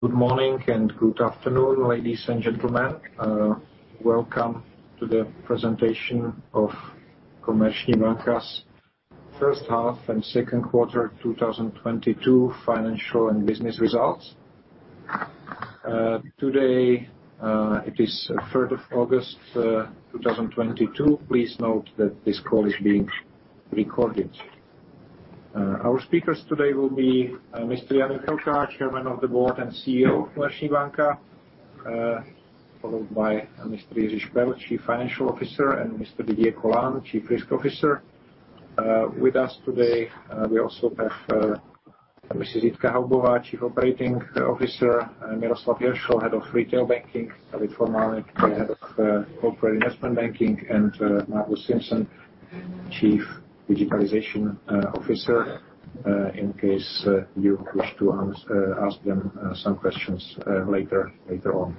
Good morning and good afternoon, ladies and gentlemen. Welcome to the presentation of Komerční banka's first half and second quarter 2022 financial and business results. Today, it is third of August, 2022. Please note that this call is being recorded. Our speakers today will be Mr. Jan Juchelka, Chairman of the Board and CEO of Komerční banka, followed by Mr. Jiří Šperl, Chief Financial Officer, and Mr. Didier Colin, Chief Risk Officer. With us today, we also have Mrs. Jitka Haubová, Chief Operating Officer, and Miroslav Hiršl, Head of Retail Banking, David Formánek, Head of Corporate Investment Banking, and Margus Simson, Chief Digital Officer, in case you wish to ask them some questions later on.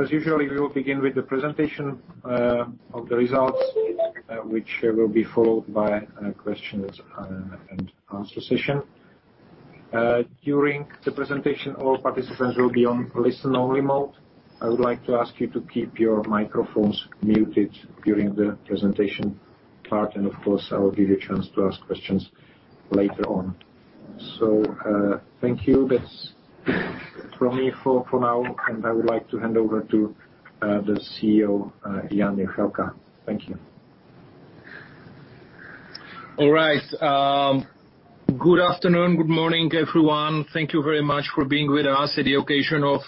As usual, we will begin with the presentation of the results, which will be followed by a question-and-answer session. During the presentation, all participants will be on listen-only mode. I would like to ask you to keep your microphones muted during the presentation part, and of course, I will give you a chance to ask questions later on. Thank you. That's from me for now, and I would like to hand over to the CEO, Jan Juchelka. Thank you. All right. Good afternoon, good morning, everyone. Thank you very much for being with us on the occasion of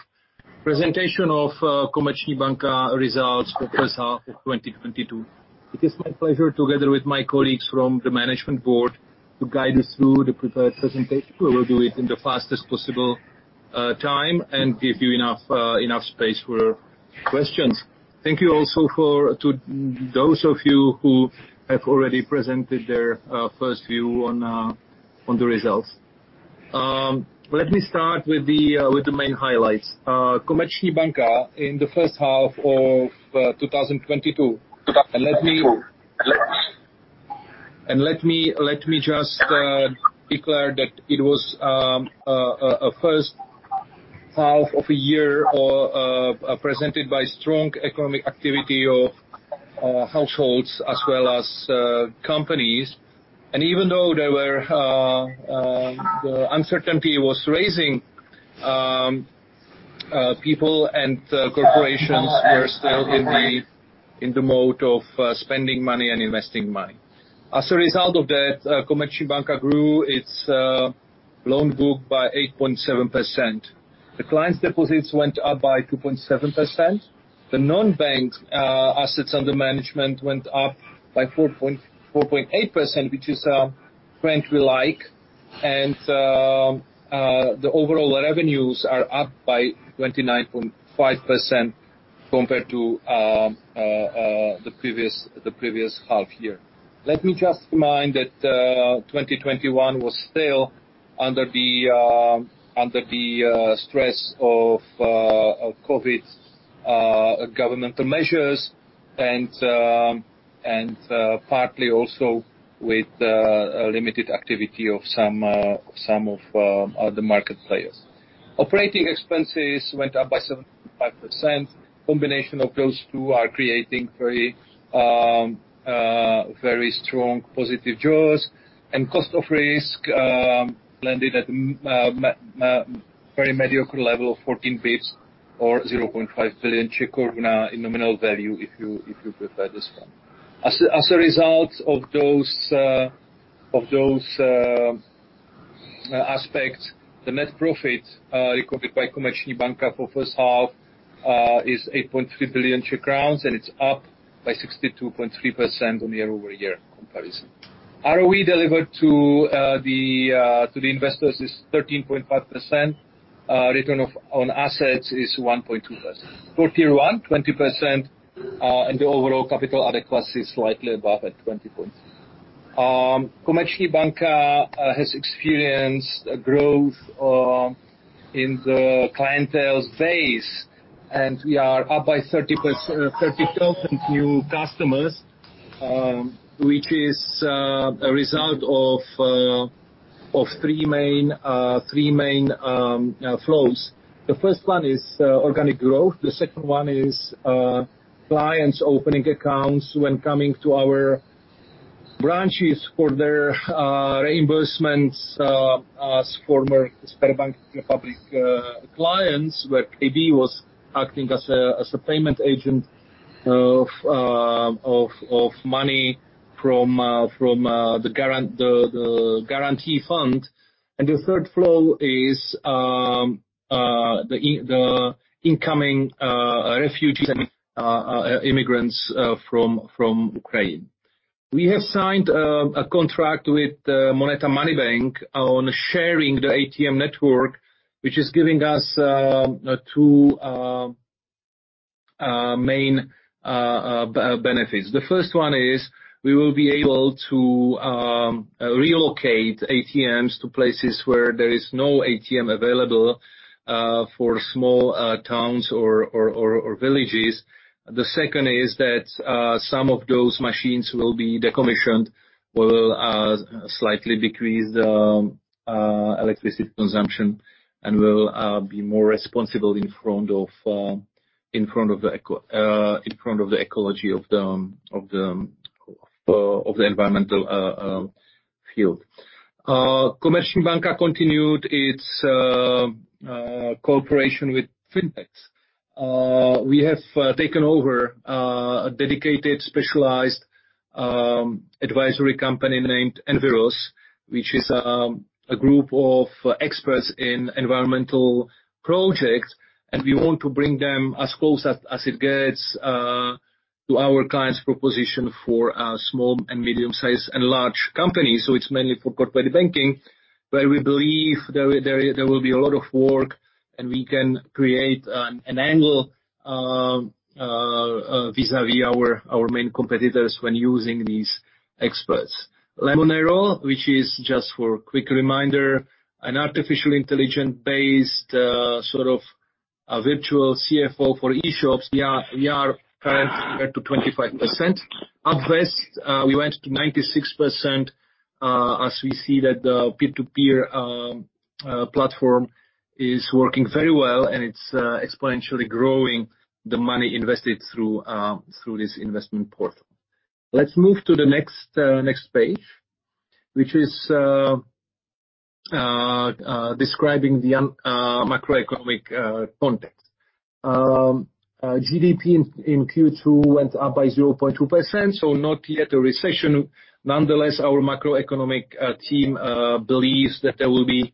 presentation of Komerční banka results for first half of 2022. It is my pleasure together with my colleagues from the management board to guide you through the prepared presentation. We will do it in the fastest possible time and give you enough space for questions. Thank you also to those of you who have already presented their first view on the results. Let me start with the main highlights. Komerční banka in the first half of 2022. Let me just declare that it was a first half of a year presented by strong economic activity of households as well as companies. Even though the uncertainty was rising, people and corporations were still in the mode of spending money and investing money. As a result of that, Komerční banka grew its loan book by 8.7%. The client's deposits went up by 2.7%. The non-bank assets under management went up by 4.8%, which is a trend we like. The overall revenues are up by 29.5% compared to the previous half year. Let me just remind that 2021 was still under the stress of COVID, governmental measures and partly also with the limited activity of some of the market players. Operating expenses went up by 7.5%. Combination of those two are creating very strong positive jaws. Cost of risk landed at a very mediocre level of 14 bps or 0.5 billion in nominal value, if you prefer this one. As a result of those aspects, the net profit recorded by Komerční banka for first half is 8.3 billion Czech crowns, and it's up by 62.3% on year-over-year comparison. ROE delivered to the investors is 13.5%. Return on assets is 1.2%. For tier one, 20%, and the overall capital adequacy is slightly above at 20 points. Komerční banka has experienced a growth in the client base, and we are up by 30,000 new customers, which is a result of three main flows. The first one is organic growth. The second one is clients opening accounts when coming to our branches for their reimbursements as former Sberbank CZ a.s. clients, where KB was acting as a payment agent of money from the guarantee fund. The third flow is the incoming refugees and immigrants from Ukraine. We have signed a contract with MONETA Money Bank, a.s. on sharing the ATM network, which is giving us two main benefits. The first one is we will be able to relocate ATMs to places where there is no ATM available for small towns or villages. The second is that some of those machines will be decommissioned, will slightly decrease the electricity consumption and will be more responsible in front of the ecology of the environmental field. Komerční banka continued its cooperation with fintechs. We have taken over a dedicated specialized advisory company named ENVIROS, which is a group of experts in environmental projects, and we want to bring them as close as it gets to our client's proposition for small and medium-sized and large companies. It's mainly for corporate banking, but we believe there will be a lot of work, and we can create an angle vis-à-vis our main competitors when using these experts. Lemonero, which is just for a quick reminder, an artificial intelligence-based sort of a virtual CFO for e-shops. We are currently at 25%. At best, we went to 96%, as we see that the peer-to-peer platform is working very well, and it's exponentially growing the money invested through this investment portal. Let's move to the next page, which is describing the macroeconomic context. GDP in Q2 went up by 0.2%, so not yet a recession. Nonetheless, our macroeconomic team believes that there will be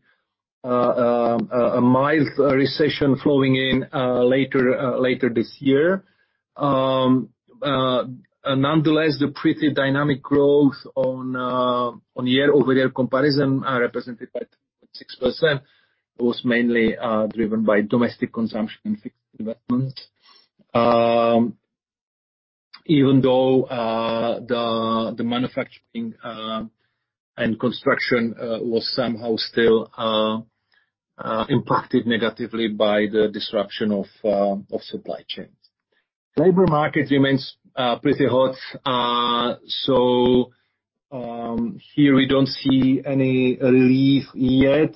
a mild recession flowing in later this year. Nonetheless, the pretty dynamic growth on year-over-year comparison represented by 3.6% was mainly driven by domestic consumption and fixed investment. Even though the manufacturing and construction was somehow still impacted negatively by the disruption of supply chains. Labor market remains pretty hot. Here we don't see any relief yet,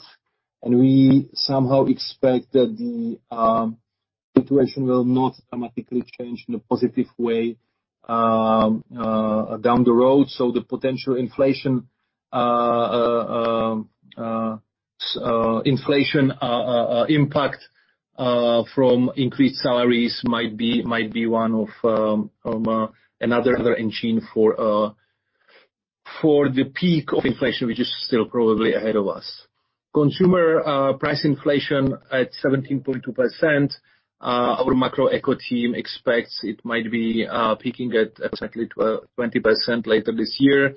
and we somehow expect that the situation will not dramatically change in a positive way down the road. The potential inflation impact from increased salaries might be one of another engine for the peak of inflation, which is still probably ahead of us. Consumer price inflation at 17.2%. Our macroeconomic team expects it might be peaking at exactly 20% later this year.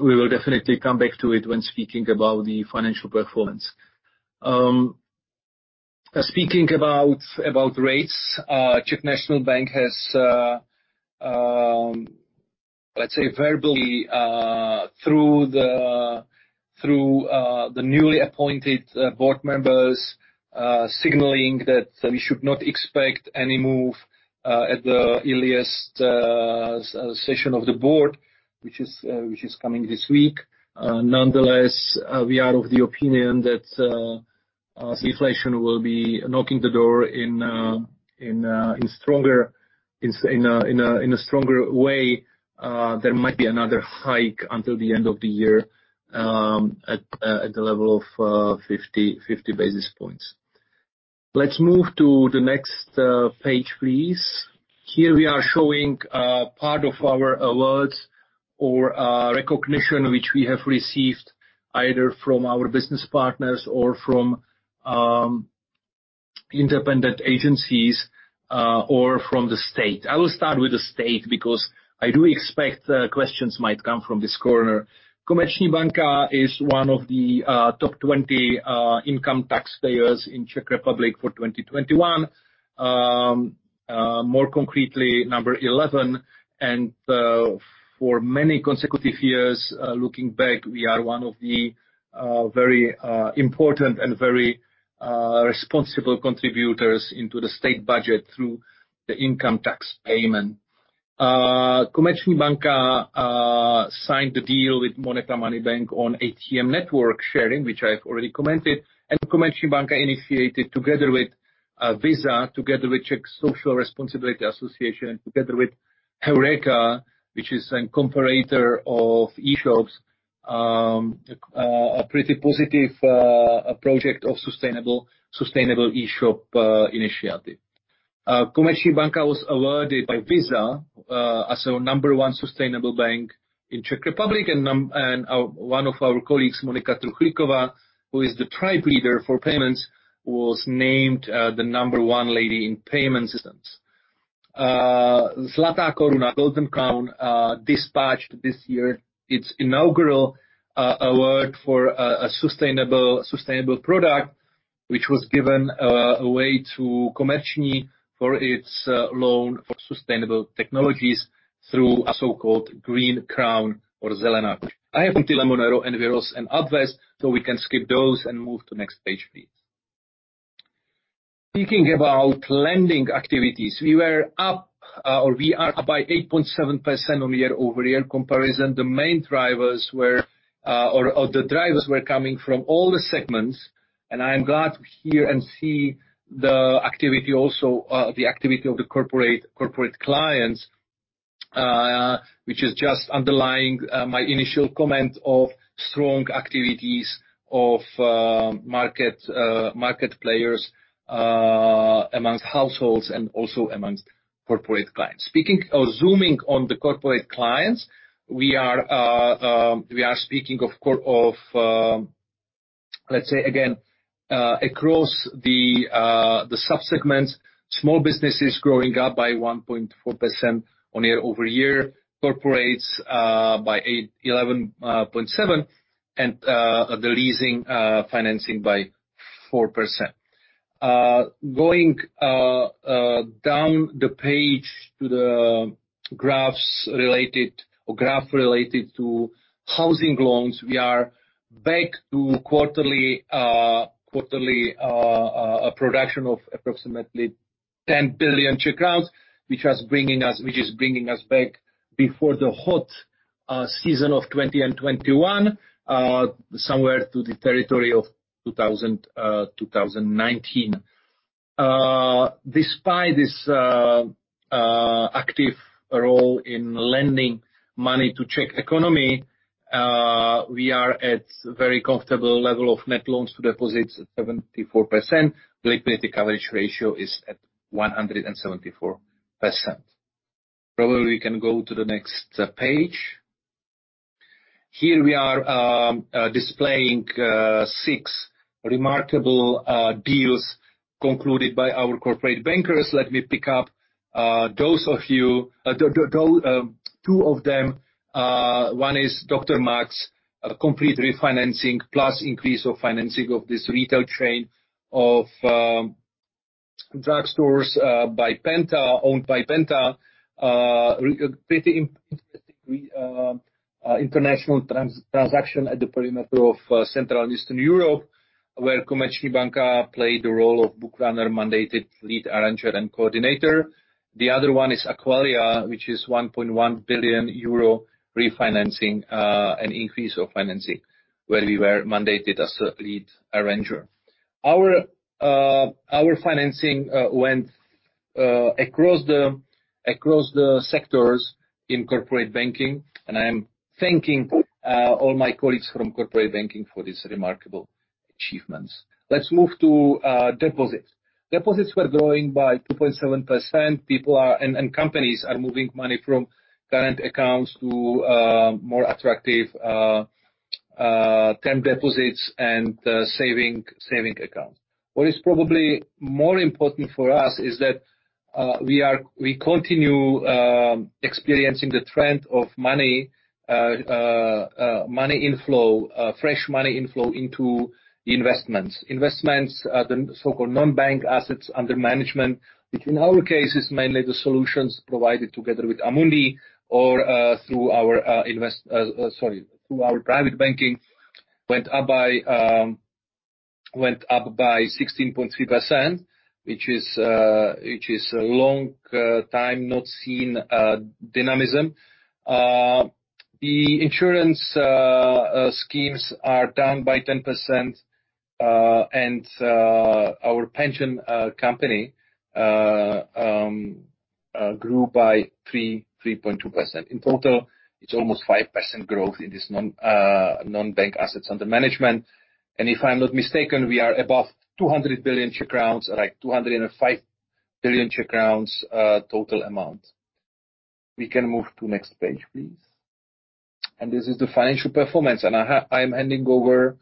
We will definitely come back to it when speaking about the financial performance. Speaking about rates, Czech National Bank has, let's say, verbally through the newly appointed board members, signaling that we should not expect any move at the earliest session of the board, which is coming this week. Nonetheless, we are of the opinion that inflation will be knocking on the door in a stronger way. There might be another hike until the end of the year at the level of 50 basis points. Let's move to the next page, please. Here we are showing part of our awards or recognition which we have received either from our business partners or from independent agencies or from the state. I will start with the state, because I do expect the questions might come from this corner. Komerční banka is one of the top 20 income taxpayers in Czech Republic for 2021. More concretely, number 11. For many consecutive years, looking back, we are one of the very important and very responsible contributors into the state budget through the income tax payment. Komerční banka signed the deal with MONETA Money Bank on ATM network sharing, which I have already commented. Komerční banka initiated, together with Visa, together with Association of Social Responsibility, and together with Heureka, which is a comparator of e-shops, a pretty positive project of sustainable e-shop initiative. Komerční banka was awarded by Visa as a number one sustainable bank in Czech Republic. One of our colleagues, Monika Truchlíková, who is the tribe leader for payments, was named the number one lady in payment systems. Zlatá koruna, Golden Crown, dispatched this year its inaugural award for a sustainable product. Which was given away to Komerční banka for its loan for sustainable technologies through a so-called Green Crown or Zelená koruna. I have Lemonero, ENVIROS and Adves, so we can skip those and move to next page, please. Speaking about lending activities, we are up by 8.7% on year-over-year comparison. The main drivers were coming from all the segments, and I am glad to hear and see the activity also, the activity of the corporate clients, which is just underlying my initial comment of strong activities of market players amongst households and also amongst corporate clients. Speaking or zooming on the corporate clients, we are speaking of, let's say again, across the sub-segments, small business is growing up by 1.4% year-over-year, corporates by 11.7% and the leasing financing by 4%. Going down the page to the graph related to housing loans, we are back to quarterly production of approximately 10 billion Czech crowns, which is bringing us back before the hot season of 2020 and 2021, somewhere to the territory of 2019. Despite this active role in lending money to Czech economy, we are at very comfortable level of net loans to deposits at 74%. Liquidity coverage ratio is at 174%. Probably we can go to the next page. Here we are, displaying six remarkable deals concluded by our corporate bankers. Let me pick up those of you those two of them. One is Dr. Max, a complete refinancing plus increase of financing of this retail chain of drugstores by Penta, owned by Penta. Pretty interesting international transaction at the perimeter of Central and Eastern Europe, where Komerční banka played the role of bookrunner, mandated lead arranger, and coordinator. The other one is Aqualia, which is 1.1 billion euro refinancing and increase of financing, where we were mandated as a lead arranger. Our financing went across the sectors in corporate banking, and I am thanking all my colleagues from corporate banking for this remarkable achievements. Let's move to deposits. Deposits were growing by 2.7%. People and companies are moving money from current accounts to more attractive term deposits and saving accounts. What is probably more important for us is that we continue experiencing the trend of fresh money inflow into investments. Investments, the so-called non-bank assets under management, which in our case is mainly the solutions provided together with Amundi or through our private banking, went up by 16.3%, which is a long time not seen dynamism. The insurance schemes are down by 10%, and our pension company grew by 3.2%. In total, it's almost 5% growth in this non-bank assets under management. If I'm not mistaken, we are above 200 billion Czech crowns, like 205 billion Czech crowns, total amount. We can move to next page, please. This is the financial performance. I'm handing over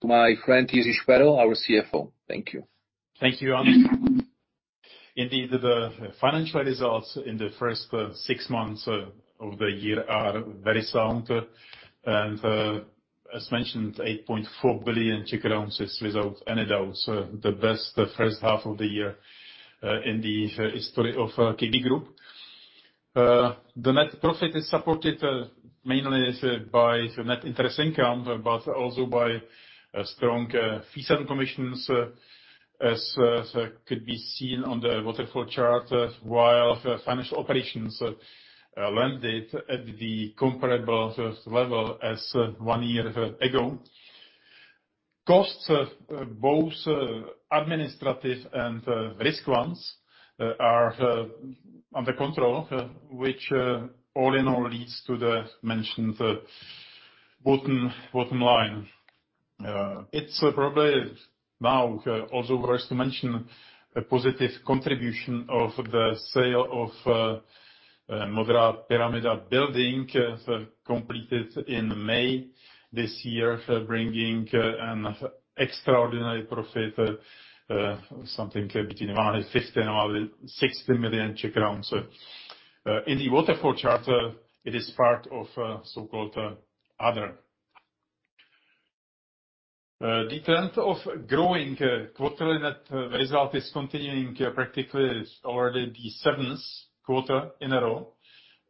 to my friend, Jiří Šperl, our CFO. Thank you. Thank you, Jan. Indeed, the financial results in the first six months of the year are very sound. As mentioned, 8.4 billion is without any doubt the best first half of the year in the history of KB Group. The net profit is supported mainly by net interest income, but also by a strong fees and commissions as could be seen on the waterfall chart, while the financial operations landed at the comparable first level as one year ago. Costs both administrative and risk ones are under control, which all in all leads to the mentioned bottom line. It's probably now also worth to mention a positive contribution of the sale of Modrá pyramida building, completed in May this year, bringing an extraordinary profit, something between 150 million and 160 million Czech crowns. In the waterfall chart, it is part of so-called other. The trend of growing quarterly net result is continuing practically already the seventh quarter in a row,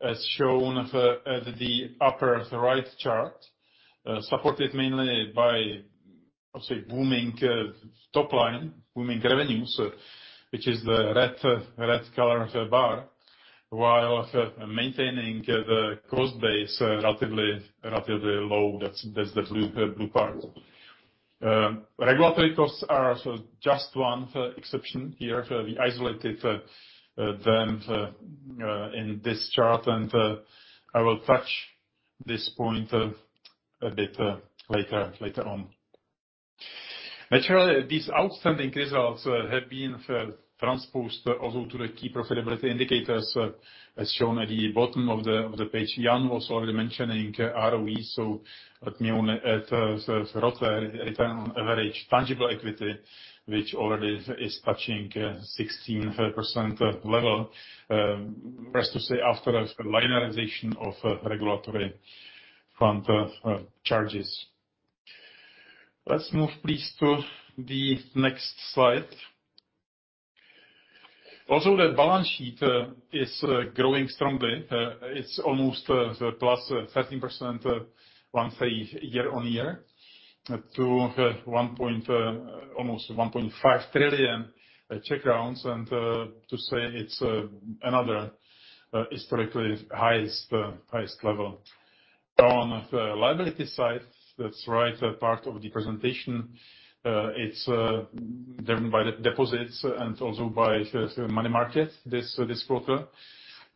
as shown at the upper right chart, supported mainly by, I'll say, booming top line, booming revenues, which is the red color of the bar, while maintaining the cost base relatively low. That's the blue part. Regulatory costs are just one exception here. We isolated them in this chart, and I will touch this point a bit later on. Naturally, these outstanding results have been transposed over to the key profitability indicators, as shown at the bottom of the page. Jan was already mentioning ROE, so ROTE, return on average tangible equity, which already is touching 16% level. It's best to say after linearization of regulatory fund charges. Let's move please to the next slide. Also, the balance sheet is growing strongly. It's almost +13% year-on-year, to almost 1.5 trillion, and it's another historically highest level. On the liability side, that's the right part of the presentation, it's driven by the deposits and also by the money market this quarter.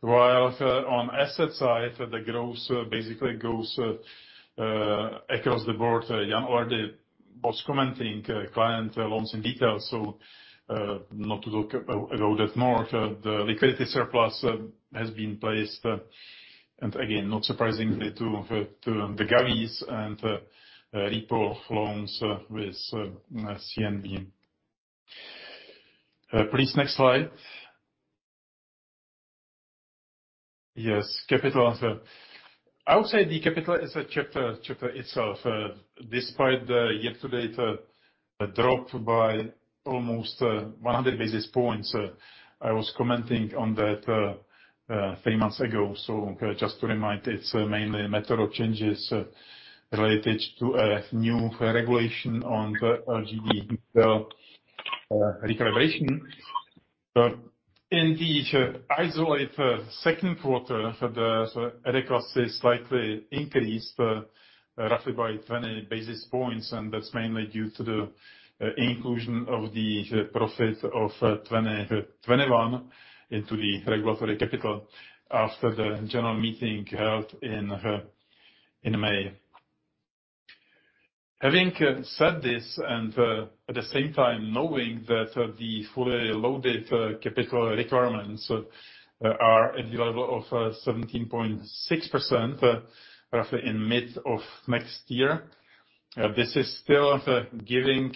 While on asset side, the growth basically goes across the board. Jan already was commenting client loans in detail, so not to talk about it more. The liquidity surplus has been placed, and again, not surprisingly, to the govies and repo of loans with CNB. Please next slide. Yes, capital. I would say the capital is a chapter itself. Despite the year-to-date drop by almost 100 basis points, I was commenting on that three months ago. Just to remind, it's mainly a matter of changes related to a new regulation on the LGD recuperation. In the isolated second quarter, the adequacy slightly increased roughly by 20 basis points, and that's mainly due to the inclusion of the profit of 2021 into the regulatory capital after the general meeting held in May. Having said this, and at the same time knowing that the fully loaded capital requirements are at the level of 17.6% roughly in mid of next year, this is still giving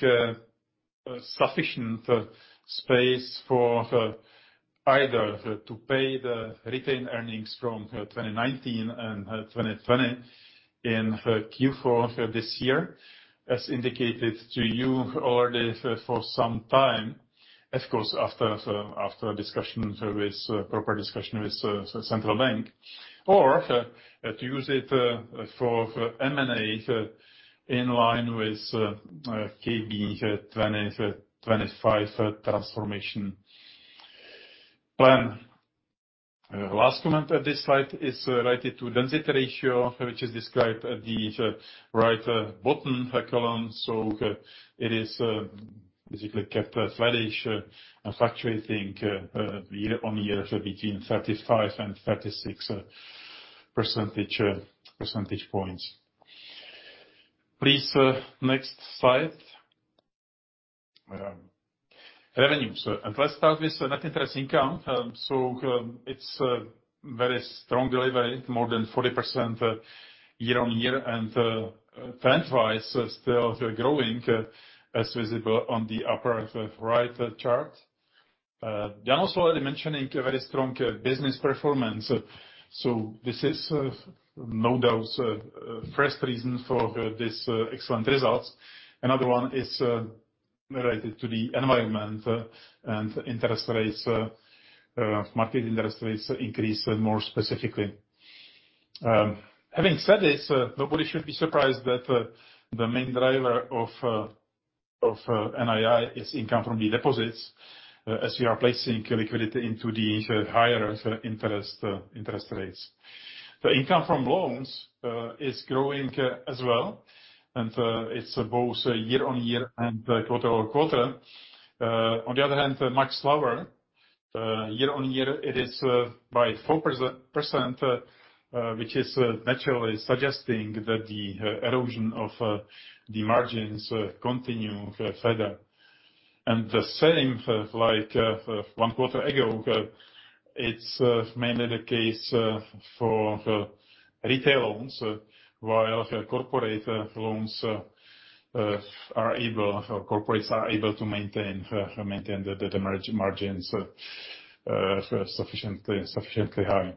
sufficient space for either to pay the retained earnings from 2019 and 2020 in Q4 this year, as indicated to you already for some time, of course, after proper discussion with central bank. To use it for M&A in line with KB 2025 transformation plan. Last comment at this slide is related to density ratio, which is described at the right bottom column. It is basically kept flattish and fluctuating year-on-year between 35 and 36 percentage points. Please, next slide. Revenues. Let's start with net interest income. It's a very strong delivery, more than 40% year-on-year. Trend-wise, still growing, as visible on the upper right chart. Jan was already mentioning very strong business performance. This is no doubt first reason for this excellent results. Another one is related to the environment and interest rates, market interest rates increase more specifically. Having said this, nobody should be surprised that the main driver of NII is income from the deposits, as we are placing liquidity into the higher interest rates. The income from loans is growing as well, and it's both year-on-year and quarter-on-quarter. On the other hand, much lower year-on-year it is by 4%, which is naturally suggesting that the erosion of the margins continue further. The same as one quarter ago, it's mainly the case for retail loans, while corporates are able to maintain the margins sufficiently high.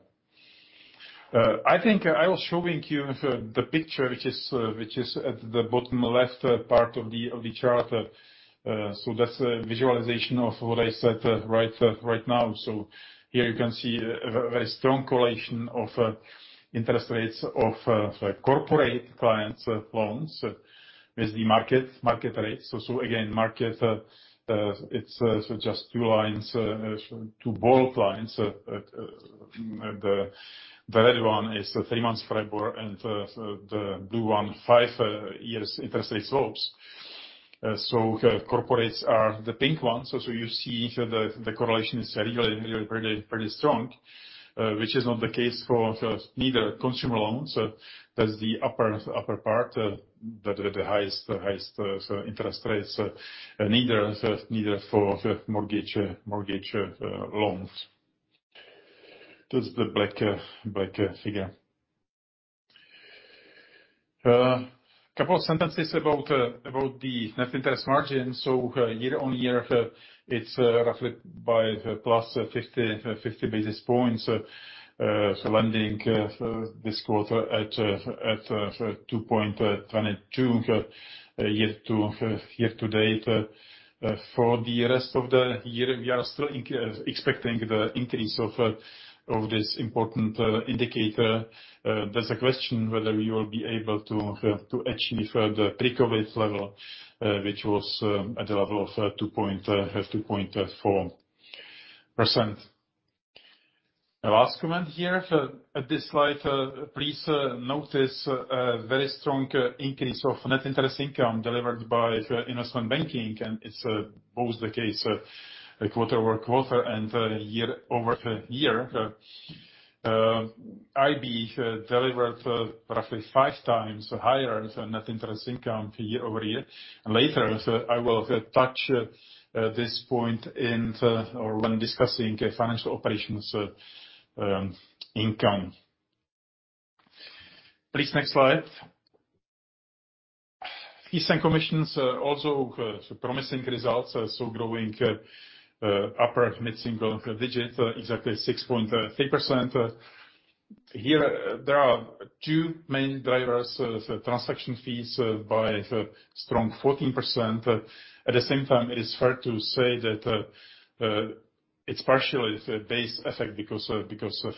I think I was showing you the picture, which is at the bottom left part of the chart. That's a visualization of what I said right now. Here you can see a very strong correlation of interest rates of corporate clients loans with the market rates. Again, it's just two bold lines. The red one is the three month PRIBOR, and the blue one, five years interest rate swaps. Corporates are the pink ones. You see the correlation is really pretty strong, which is not the case for neither consumer loans. That's the upper part, the highest interest rates, neither for the mortgage loans. That's the black figure. Couple of sentences about the net interest margin. Year-on-year, it's roughly by plus 50 basis points. Lending this quarter at 2.22% year-to-date. For the rest of the year, we are still expecting the increase of this important indicator. There's a question whether we will be able to achieve the pre-COVID level, which was at the level of 2.4%. Last comment here at this slide, please notice a very strong increase of net interest income delivered by investment banking. It's both the case quarter-over-quarter and year-over-year. IB delivered roughly five times higher net interest income year-over-year. Later, I will touch this point in or when discussing financial operations income. Please, next slide. Fees and commissions also promising results. Growing upper mid-single digit, exactly 6.3%. Here, there are two main drivers. Transaction fees by strong 14%. At the same time, it is fair to say that it's partially base effect because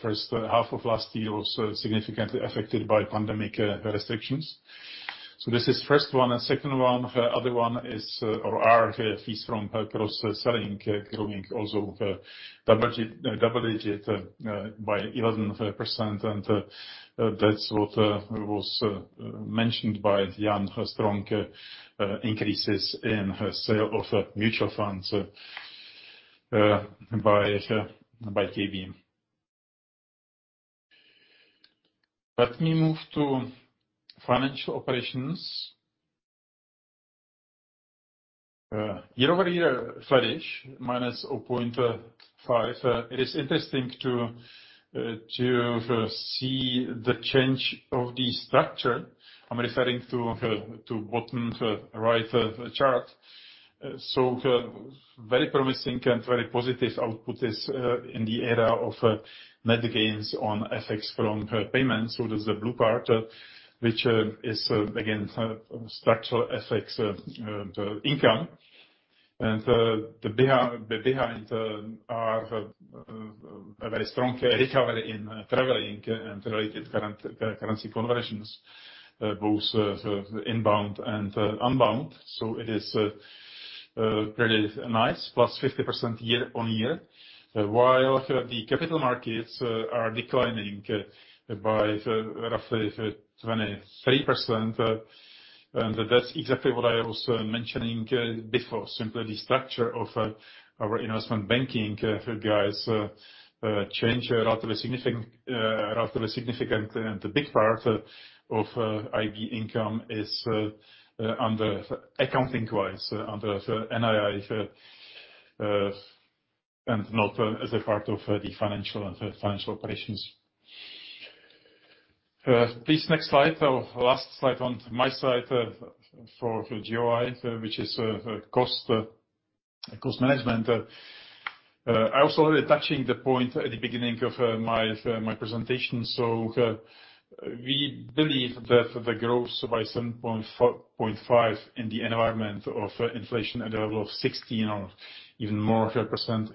first half of last year was significantly affected by pandemic restrictions. This is first one. Second one, other one is or are fees from cross-selling growing also double digit by 11%. That's what was mentioned by Jan, strong increases in sale of mutual funds by KB. Let me move to financial operations. Year-over-year, flattish, minus 0.5%. It is interesting to see the change of the structure. I'm referring to bottom right chart. Very promising and very positive output is in the area of net gains on FX from payments. That's the blue part, which is again, structural FX income. Behind are very strong recovery in traveling and related currency conversions, both inbound and outbound. It is pretty nice, plus 50% year-over-year. While the capital markets are declining by roughly 23%, and that's exactly what I was mentioning before. Simply, the structure of our investment banking guys change relatively significantly. The big part of IB income is, under accounting-wise, under NII, and not as a part of the financial operations. Please, next slide. Our last slide on my side for GOI, which is cost management. I also touching the point at the beginning of my presentation. We believe that the growth by 7.4%-7.5% in the environment of inflation at the level of 16% or even more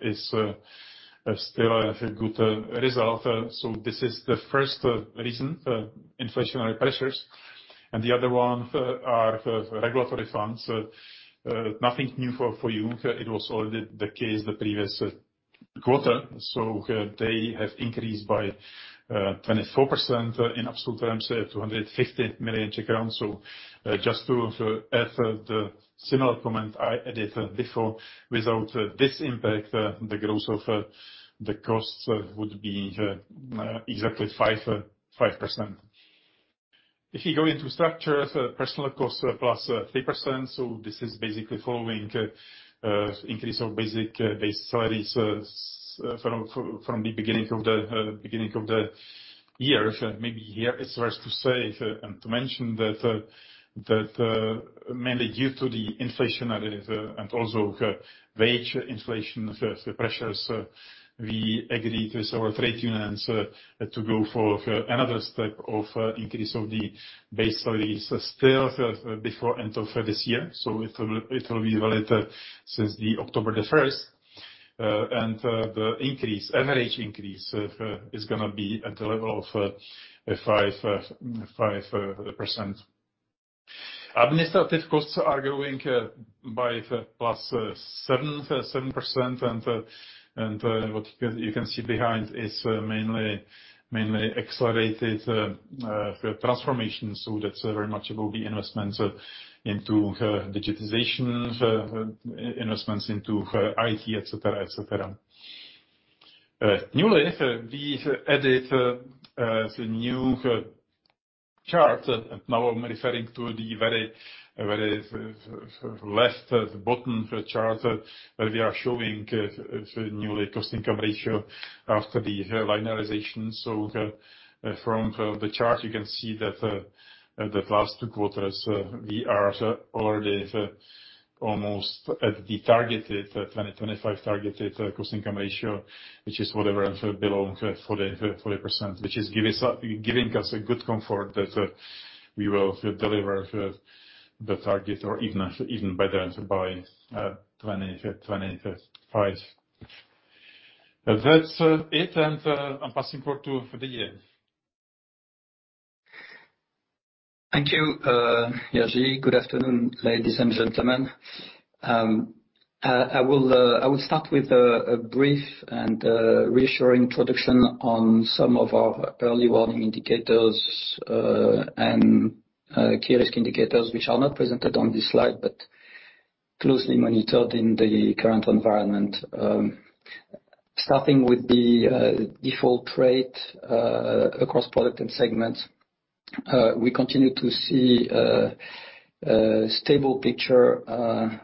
is still a good result. This is the first reason, inflationary pressures, and the other ones are regulatory funds. Nothing new for you. It was already the case the previous quarter. They have increased by 24% in absolute terms, 250 million. Just to add the similar comment I added before, without this impact, the growth of the costs would be exactly 5%. If you go into structure, personal costs +3%. This is basically following the increase of basic salaries from the beginning of the year. Maybe here it's worth to say and to mention that mainly due to the inflationary and also wage inflation pressures, we agreed with our trade unions to go for another step of increase of the base salaries still before the end of this year. It will be valid since October 1st. The average increase is going to be at the level of 5%. Administrative costs are growing by +7%. What you can see behind is mainly accelerated transformation. That's very much about the investments into digitization, investments into IT, et cetera. Newly, we added the new chart. Now I'm referring to the very left bottom chart, where we are showing the new cost-to-income ratio after the linearization. From the chart, you can see that in the last two quarters we are already almost at the targeted 2025 targeted cost-to-income ratio, which is whatever below 40%, which is giving us a good comfort that we will deliver the target or even better by 2025. That's it, I'm passing the floor to Didier. Thank you, Jiří Šperl. Good afternoon, ladies and gentlemen. I will start with a brief and reassuring introduction on some of our early warning indicators and key risk indicators, which are not presented on this slide, but closely monitored in the current environment. Starting with the default rate across product and segments, we continue to see a stable picture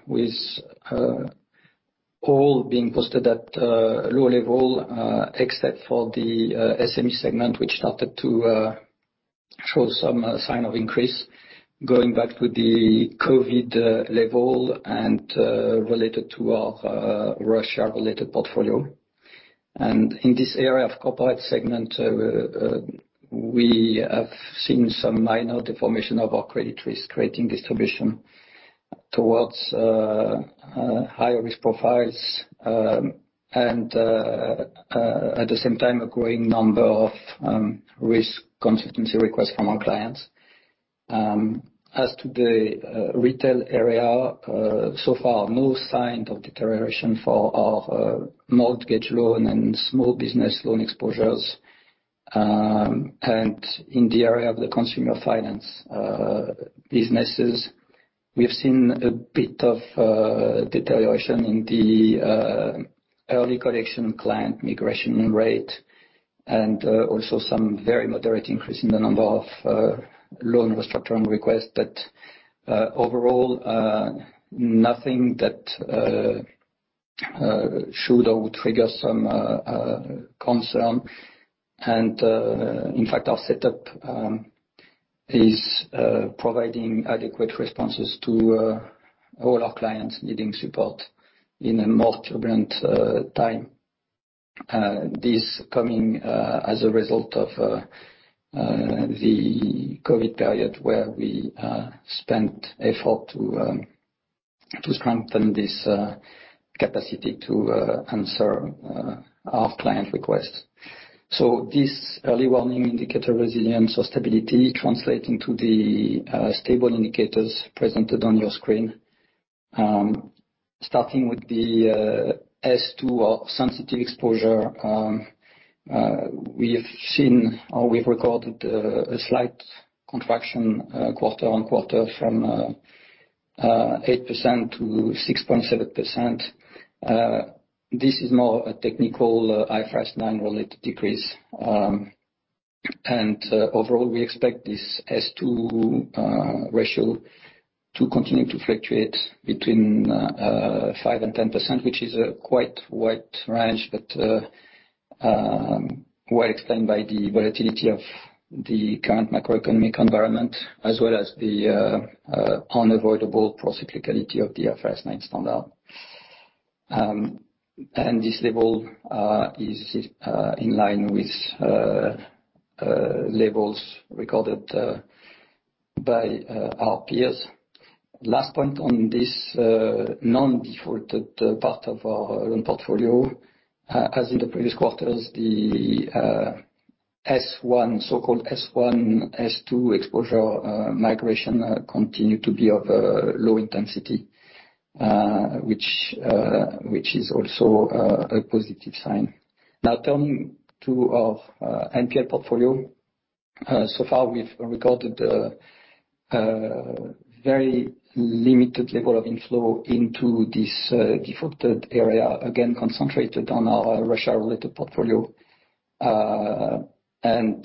with all being posted at low level, except for the SME segment, which started to show some sign of increase going back to the COVID level and related to our Russia-related portfolio. In this area of corporate segment, we have seen some minor deterioration of our credit risk grading distribution towards higher risk profiles, and at the same time, a growing number of risk contingency requests from our clients. As to the retail area, so far, no sign of deterioration for our mortgage loan and small business loan exposures. In the area of the consumer finance businesses, we have seen a bit of deterioration in the early collection client migration rate and also some very moderate increase in the number of loan restructuring requests. Overall, nothing that should or would trigger some concern. In fact, our setup is providing adequate responses to all our clients needing support in a more turbulent time. This coming as a result of the COVID period where we spent effort to strengthen this capacity to answer our client requests. This early warning indicator resilience or stability translating to the stable indicators presented on your screen. Starting with the S2 or sensitive exposure, we have seen or we've recorded a slight contraction quarter-on-quarter from 8% to 6.7%. This is more a technical IFRS 9 related decrease. Overall, we expect this S2 ratio to continue to fluctuate between 5% and 10%, which is a quite wide range, but well explained by the volatility of the current macroeconomic environment as well as the unavoidable procyclicality of the IFRS 9 standard. This level is in line with levels recorded by our peers. Last point on this non-defaulted part of our loan portfolio, as in the previous quarters, the so-called S1 S2 exposure migration continue to be of low intensity, which is also a positive sign. Now turning to our NPL portfolio. So far, we've recorded a very limited level of inflow into this defaulted area, again, concentrated on our Russia-related portfolio, and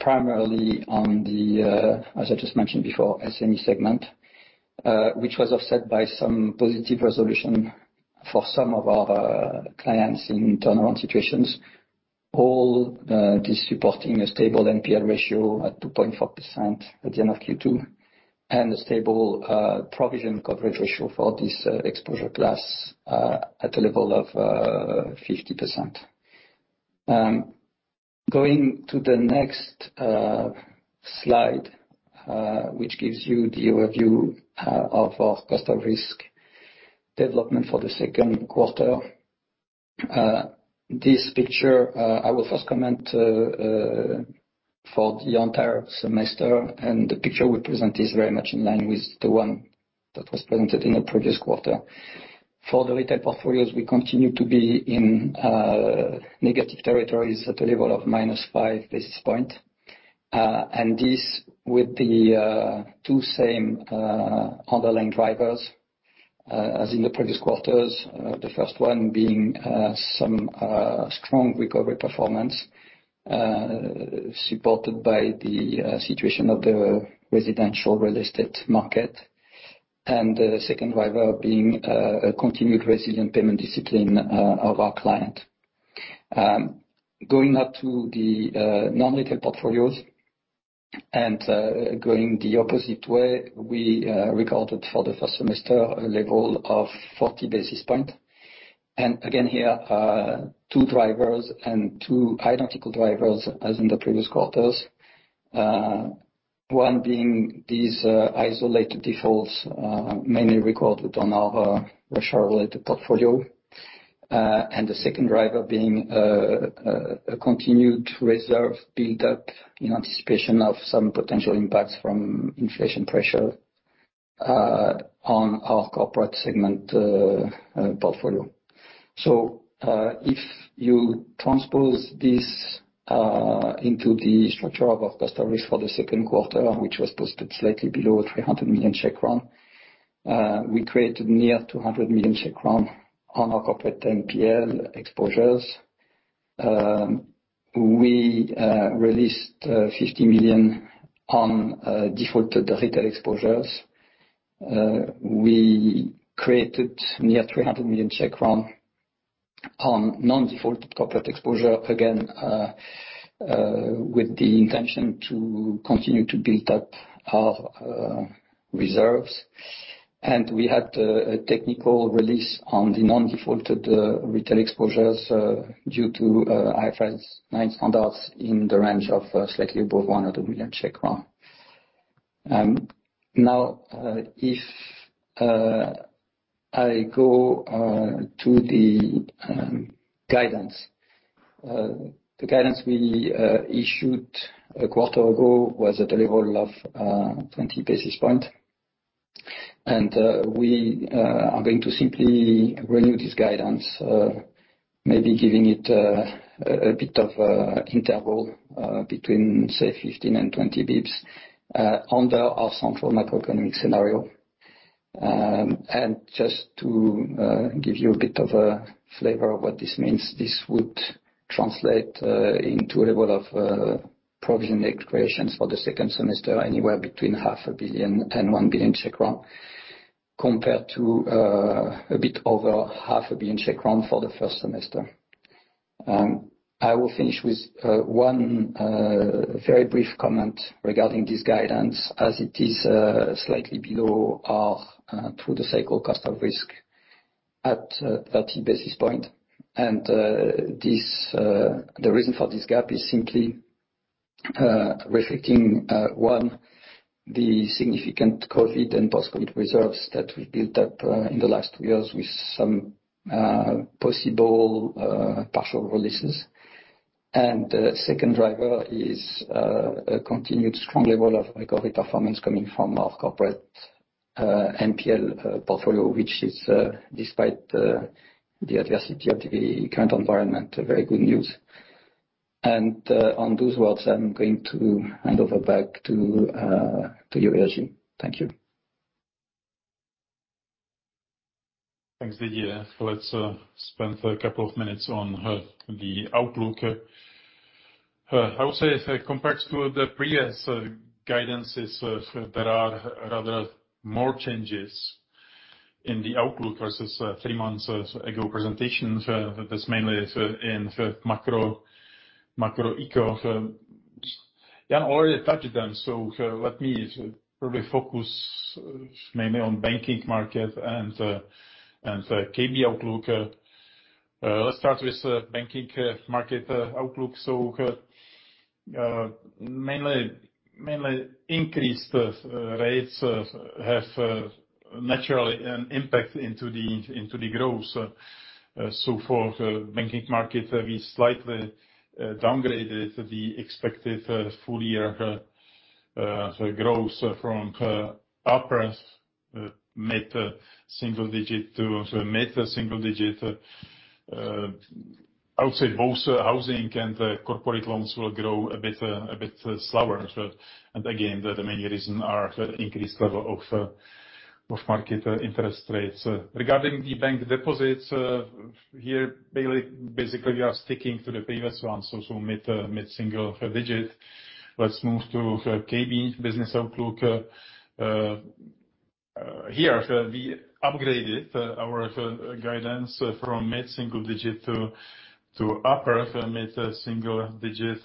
primarily on the, as I just mentioned before, SME segment, which was offset by some positive resolution for some of our clients in turnaround situations. All this supporting a stable NPL ratio at 2.4% at the end of Q2, and a stable provision coverage ratio for this exposure class at a level of 50%. Going to the next slide, which gives you the overview of our cost of risk development for the second quarter. This picture, I will first comment for the entire semester, and the picture we present is very much in line with the one that was presented in the previous quarter. For the retail portfolios, we continue to be in negative territories at a level of -5 basis points, and this with the two same underlying drivers as in the previous quarters. The first one being some strong recovery performance supported by the situation of the residential real estate market, and the second driver being a continued resilient payment discipline of our client. Going now to the non-retail portfolios and going the opposite way, we recorded for the first semester a level of 40 basis points. Again, here, two drivers and two identical drivers as in the previous quarters. One being these isolated defaults mainly recorded on our Russia-related portfolio, and the second driver being a continued reserve build-up in anticipation of some potential impacts from inflation pressure on our corporate segment portfolio. If you transpose this into the structure of our cost of risk for the second quarter, which was posted slightly below 300 million, we created near 200 million on our corporate NPL exposures. We released 50 million on defaulted retail exposures. We created near 300 million on non-defaulted corporate exposure, again with the intention to continue to build up our reserves. We had a technical release on the non-defaulted retail exposures due to IFRS 9 standards in the range of slightly above 100 million. Now, if I go to the guidance. The guidance we issued a quarter ago was at a level of 20 basis points, and we are going to simply renew this guidance, maybe giving it a bit of an interval between, say, 15-20 basis points under our central macroeconomic scenario. Just to give you a bit of a flavor of what this means, this would translate into a level of provision expenses for the second semester, anywhere between half a billion and 1 billion Czech crown, compared to a bit over half a billion CZK for the first semester. I will finish with one very brief comment regarding this guidance as it is slightly below our through the cycle cost of risk at 30 basis points. This, the reason for this gap is simply reflecting one, the significant COVID and post-COVID reserves that we built up in the last two years with some possible partial releases. The second driver is a continued strong level of recovery performance coming from our corporate NPL portfolio, which is despite the adversity of the current environment, a very good news. On those words, I'm going to hand over back to you, Jiří Šperl. Thank you. Thanks, Didier. Let's spend a couple of minutes on the outlook. I would say compared to the previous guidances, there are rather more changes in the outlook versus three months ago presentation. That's mainly in macroeconomics. Jan already touched them, so let me probably focus mainly on banking market and KB outlook. Let's start with banking market outlook. Mainly increased rates have naturally an impact into the growth. For banking market, we slightly downgraded the expected full-year growth from upper mid-single digit to mid-single digit. I would say both housing and corporate loans will grow a bit slower. Again, the main reason are the increased level of market interest rates. Regarding the bank deposits, here, basically, we are sticking to the previous one, mid-single digit. Let's move to KB business outlook. Here, we upgraded our guidance from mid-single digit to upper mid-single digit.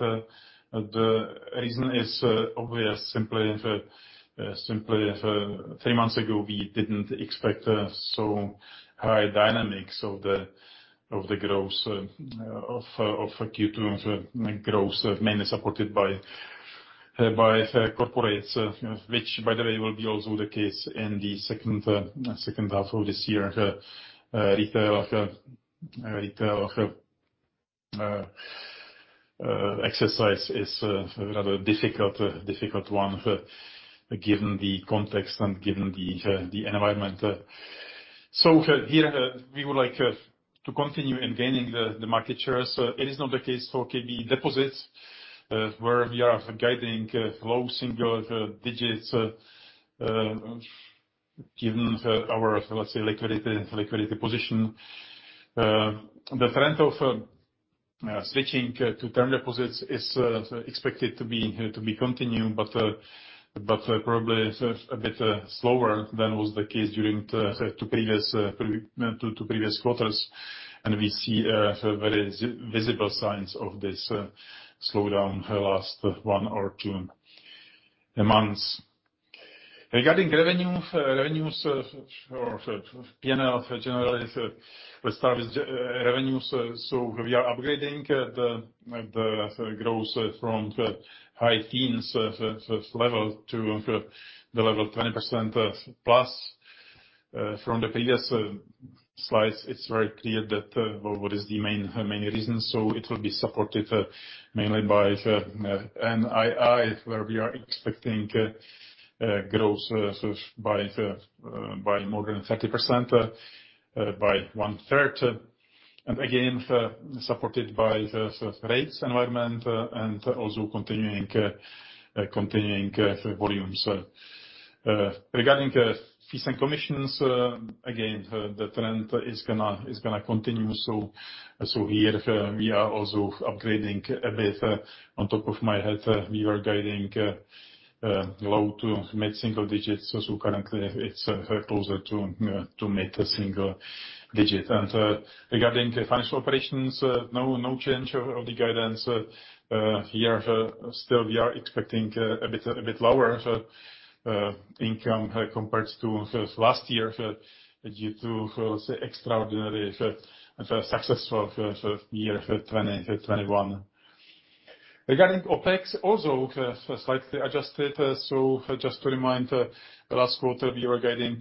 The reason is obvious. Simply, three months ago, we didn't expect so high dynamics of the growth of Q2 growth, mainly supported by the corporates, which by the way, will be also the case in the second half of this year. Retail execution is rather difficult one, given the context and given the environment. Here, we would like to continue in gaining the market shares. It is not the case for KB deposits, where we are guiding low single digits%, given our, let's say, liquidity position. The trend of switching to term deposits is expected to be continued, but probably a bit slower than was the case during the two previous quarters. We see very visible signs of this slowdown last one or two months. Regarding revenue, revenues or P&L generally, let's start with revenues. We are upgrading the growth from high teens level to the level of 20% plus. From the previous slides, it's very clear that what is the main reason. It will be supported mainly by NII, where we are expecting growth by more than 30%, by one third, and again, supported by the rates environment and also continuing volumes. Regarding fees and commissions, again, the trend is gonna continue. Here we are also upgrading a bit. Off the top of my head, we were guiding low to mid-single digits. Currently it's closer to mid-single digit. Regarding financial operations, no change of the guidance. Here still we are expecting a bit lower income compared to last year due to, say, extraordinary successful year 2021. Regarding OpEx, also slightly adjusted. Just to remind, last quarter we were guiding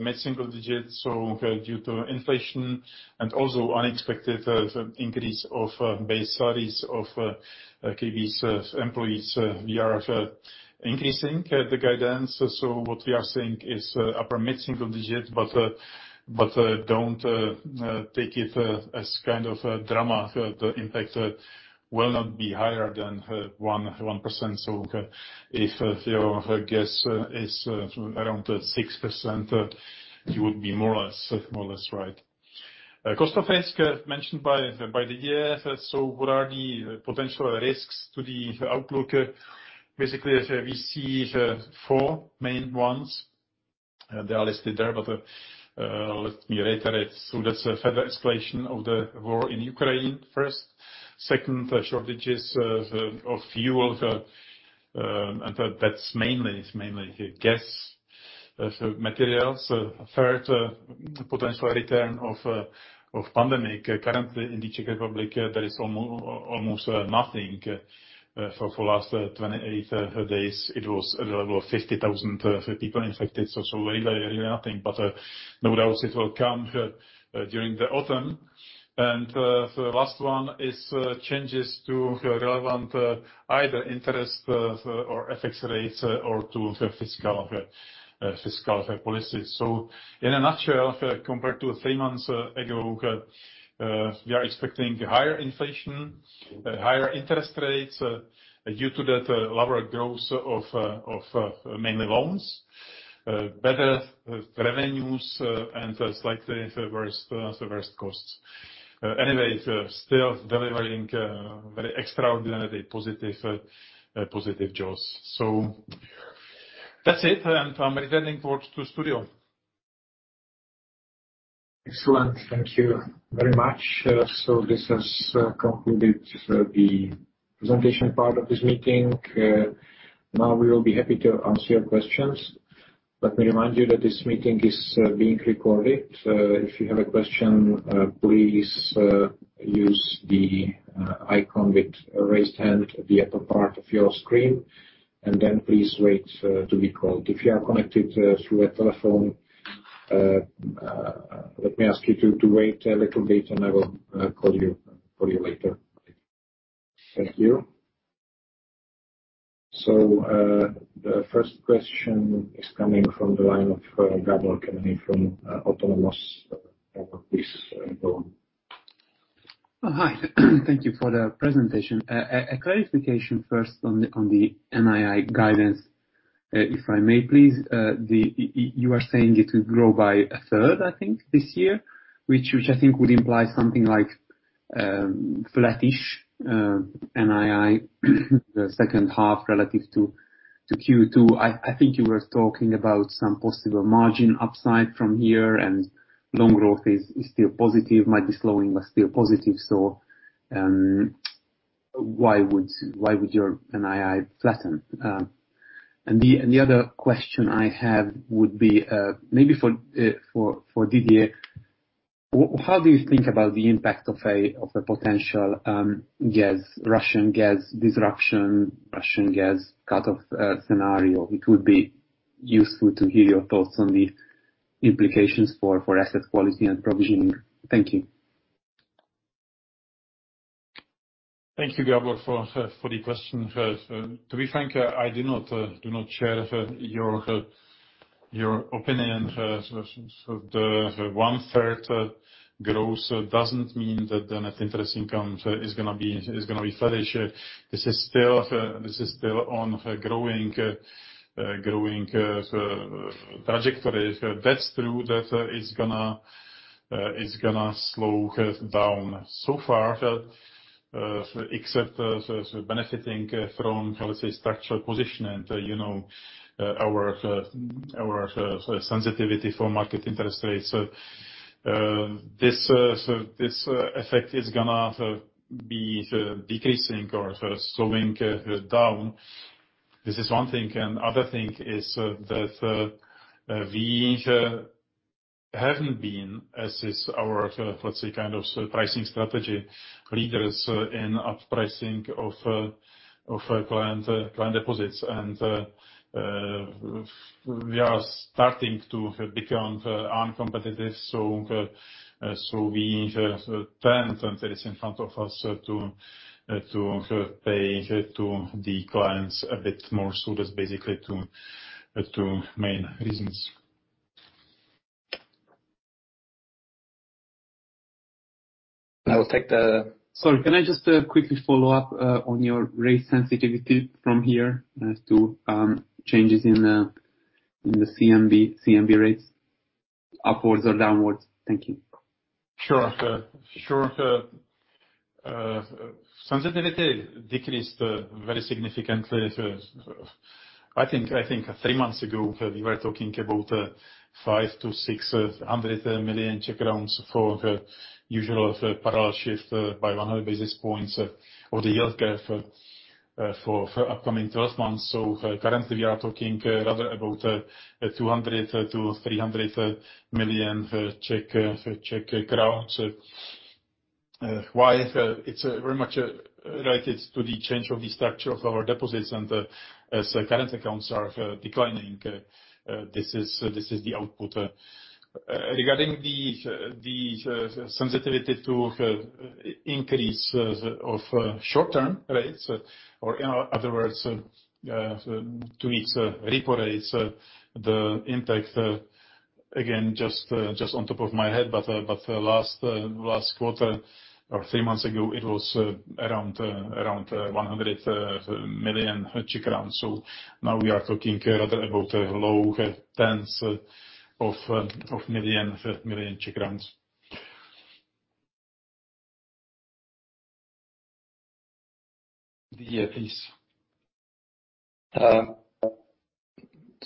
mid-single digits. Due to inflation and also unexpected increase of base salaries of KB's employees, we are increasing the guidance. What we are saying is upper mid-single digit, but don't take it as kind of a drama. The impact will not be higher than 1%. If your guess is around 6%, you would be more or less right. Cost of risk mentioned by Didier. What are the potential risks to the outlook? Basically, we see four main ones. They are listed there, but let me reiterate. That's a further escalation of the war in Ukraine, first. Second, shortages of fuel, and that's mainly gas materials. Third, potential return of pandemic. Currently in the Czech Republic, there is almost nothing. For last 28 days it was at the level of 50,000 people infected, so really nothing. No doubts it will come during the autumn. The last one is changes to relevant either interest or FX rates or to fiscal policy. In a nutshell, compared to three months ago, we are expecting higher inflation, higher interest rates. Due to that, lower growth of mainly loans, better revenues and slightly worse costs. Anyway, still delivering very extraordinary positive ROEs. That's it, and I'm returning back to studio. Excellent. Thank you very much. This has concluded the presentation part of this meeting. Now we will be happy to answer your questions. Let me remind you that this meeting is being recorded. If you have a question, please use the icon with raised hand at the upper part of your screen, and then please wait to be called. If you are connected through a telephone, let me ask you to wait a little bit and I will call you later. Thank you. The first question is coming from the line of Gábor Kemeny from Autonomous Research. Please go on. Hi. Thank you for the presentation. A clarification first on the NII guidance, if I may please. You are saying it will grow by a third, I think, which I think would imply something like flattish NII the second half relative to Q2. I think you were talking about some possible margin upside from here and loan growth is still positive. Might be slowing, but still positive. Why would your NII flatten? And the other question I have would be maybe for Didier. How do you think about the impact of a potential Russian gas disruption, Russian gas cutoff scenario? It would be useful to hear your thoughts on the implications for asset quality and provisioning. Thank you. Thank you, Gábor, for the question. To be frank, I do not share your opinion. The 1/3 growth doesn't mean that the net interest income is gonna be flourishing. This is still on growing trajectory. That's true that it's gonna slow down. So far, we have been benefiting from, how to say, structural position, and, you know, our sensitivity to market interest rates. This effect is gonna be decreasing or slowing down. This is one thing. Other thing is that, we haven't been, as is our, let's say, kind of pricing strategy, leaders in up-pricing of client deposits. We are starting to become uncompetitive, so we tend and it is in front of us to pay to the clients a bit more. That's basically two main reasons. Sorry, can I just quickly follow-up on your rate sensitivity from here as to changes in the CNB rates upwards or downwards? Thank you. Sure. Sensitivity decreased very significantly. I think three months ago, we were talking about 500 million-600 million for usual parallel shift by 100 basis points of the yield curve for upcoming 12 months. Currently, we are talking rather about 200 million-300 million Czech crowns. Why? It's very much related to the change of the structure of our deposits. As current accounts are declining, this is the output. Regarding the sensitivity to increase of short-term rates, or in other words, to each repo rates, the impact, again, just on top of my head, but last quarter or three months ago, it was around 100 million. Now we are talking here about low tens of million CZK. Yeah, please.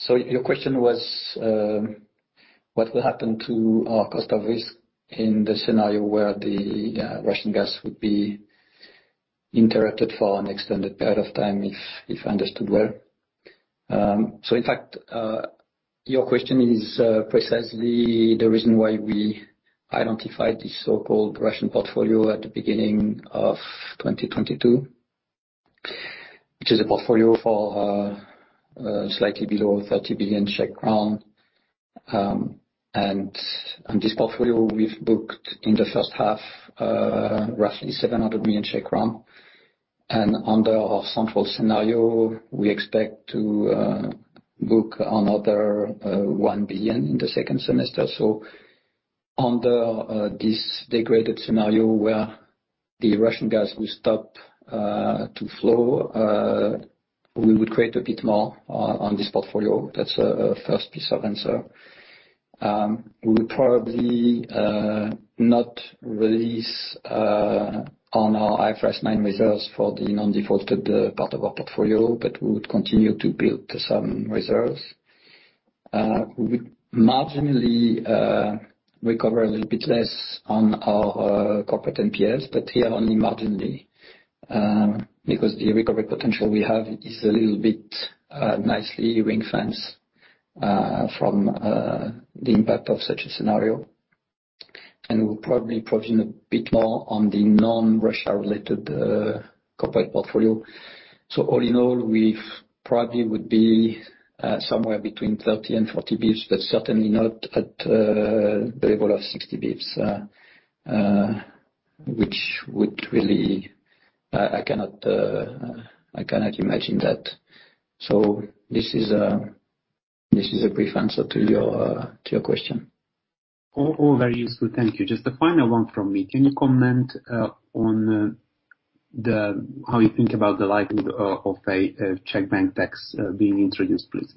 Your question was, what will happen to our cost of risk in the scenario where the Russian gas would be interrupted for an extended period of time, if I understood well. In fact, your question is precisely the reason why we identified the so-called Russian portfolio at the beginning of 2022, which is a portfolio for slightly below 30 billion Czech crown. This portfolio we've booked in the first half, roughly 700 million Czech crown. Under our central scenario, we expect to book another 1 billion in the second semester. Under this degraded scenario where the Russian gas will stop to flow, we would create a bit more on this portfolio. That's a first piece of answer. We would probably not release on our IFRS 9 reserves for the non-defaulted part of our portfolio, but we would continue to build some reserves. We would marginally recover a little bit less on our corporate NPLs, but here only marginally, because the recovery potential we have is a little bit nicely ring-fenced from the impact of such a scenario. We'll probably provision a bit more on the non-Russia related corporate portfolio. All in all, we probably would be somewhere between 30 basis points and 40 basis points, but certainly not at the level of 60 basis points, which would really, I cannot imagine that. This is a brief answer to your question. All very useful. Thank you. Just a final one from me. Can you comment on how you think about the likelihood of a Czech bank tax being introduced, please?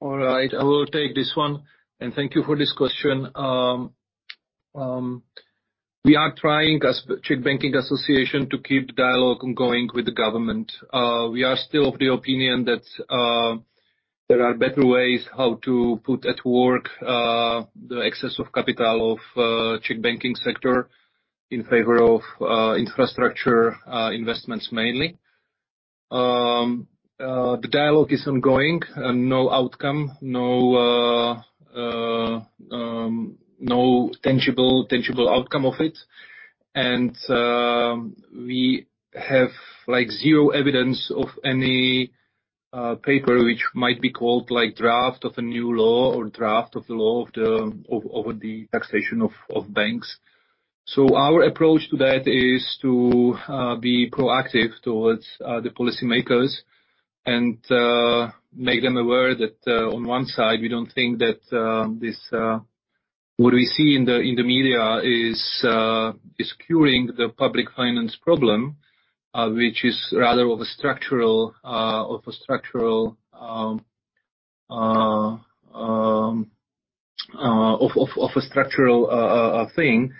All right, I will take this one. Thank you for this question. We are trying as Czech Banking Association to keep dialogue going with the government. We are still of the opinion that there are better ways how to put at work the excess of capital of Czech banking sector in favor of infrastructure investments mainly. The dialogue is ongoing and no outcome, no tangible outcome of it. We have, like, zero evidence of any paper which might be called, like, draft of a new law or draft of the law of the taxation of banks. So our approach to that is to be proactive towards the policymakers and make them aware that on one side, we don't think that this. What we see in the media is curing the public finance problem, which is rather of a structural thing.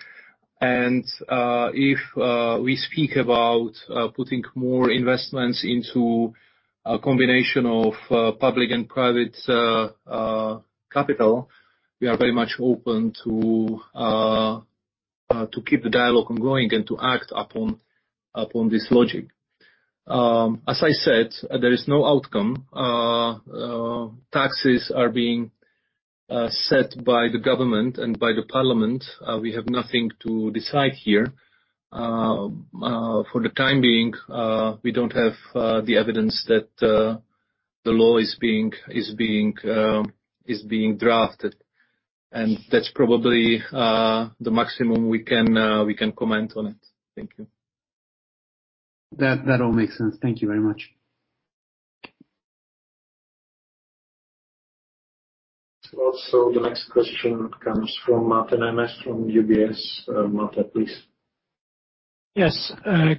If we speak about putting more investments into a combination of public and private capital, we are very much open to keep the dialogue ongoing and to act upon this logic. As I said, there is no outcome. Taxes are being set by the government and by the parliament. We have nothing to decide here. For the time being, we don't have the evidence that the law is being drafted, and that's probably the maximum we can comment on it. Thank you. That all makes sense. Thank you very much. The next question comes from Máté Nemes from UBS. Máté, please. Yes.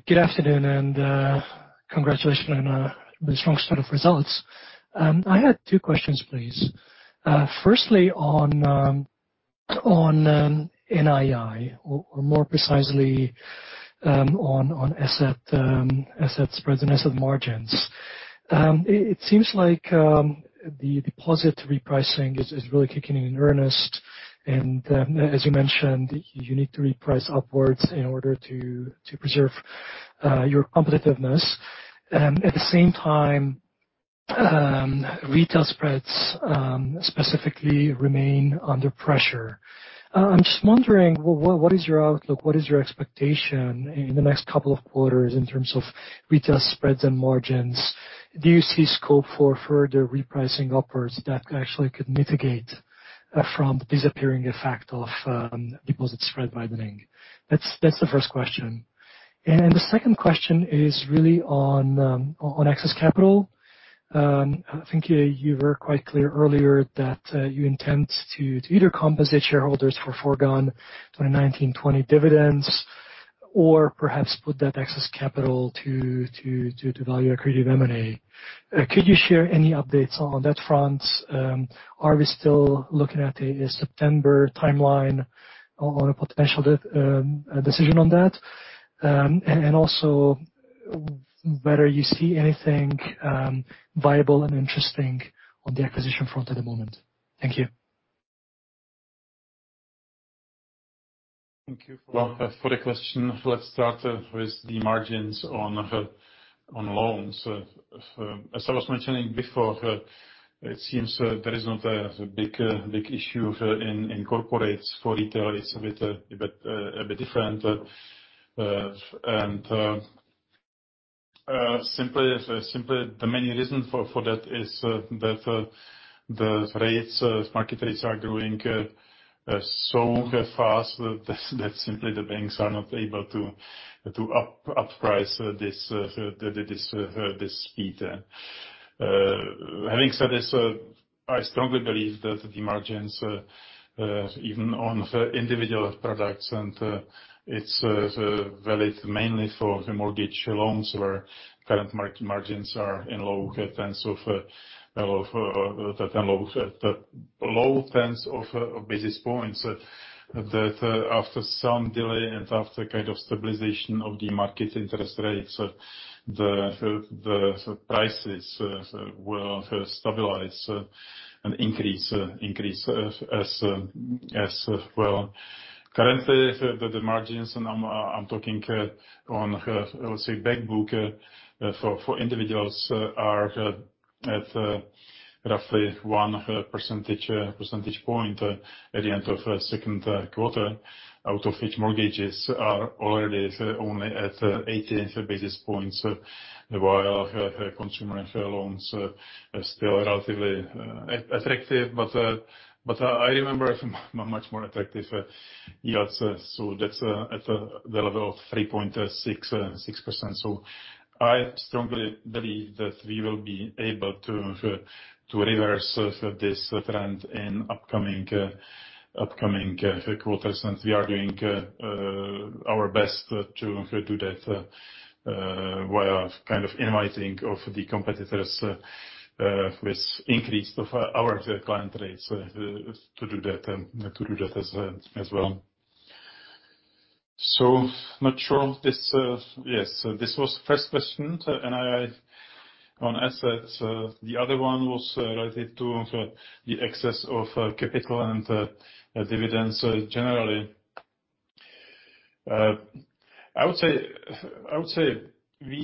Good afternoon, and congratulations on the strong set of results. I had two questions, please. Firstly, on NII or more precisely on asset spreads and asset margins. It seems like the deposit repricing is really kicking in earnest, and as you mentioned, you need to reprice upwards in order to preserve your competitiveness. At the same time, retail spreads specifically remain under pressure. I'm just wondering, what is your outlook? What is your expectation in the next couple of quarters in terms of retail spreads and margins? Do you see scope for further repricing upwards that actually could mitigate from the disappearing effect of deposit spread widening? That's the first question. The second question is really on excess capital. I think you were quite clear earlier that you intend to either compensate shareholders for foregone 2019, 2020 dividends or perhaps put that excess capital to value accretive M&A. Could you share any updates on that front? Are we still looking at a September timeline on a potential decision on that? Also whether you see anything viable and interesting on the acquisition front at the moment. Thank you. Thank you for the question. Let's start with the margins on loans. As I was mentioning before, it seems there is not a big issue in corporates. For retail, it's a bit different. Simply the main reason for that is that the market rates are growing so fast that simply the banks are not able to up price this speed. Having said this, I strongly believe that the margins even on individual products, and it's valid mainly for the mortgage loans where current margins are in low tens of basis points. That after some delay and after kind of stabilization of the market interest rates, the prices will stabilize and increase as well. Currently, the margins, and I'm talking on, let's say, bank book for individuals are at roughly 1 percentage point at the end of second quarter. Out of which mortgages are already only at 80 basis points, while consumer loans are still relatively attractive. I remember much more attractive yields. That's at the level of 3.6%. I strongly believe that we will be able to reverse this trend in upcoming quarters. We are doing our best via kind of inviting of the competitors with increase of our client rates to do that as well. Not sure this. Yes. This was first question, NII on assets. The other one was related to the excess of capital and dividends generally. I would say we